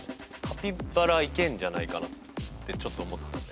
カピバラいけんじゃないかなってちょっと思った。